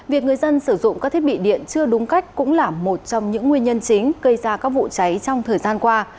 việc người dân sử dụng các thiết bị điện chưa đúng cách cũng là một trong những nguyên nhân chính gây ra các vụ cháy trong thời gian qua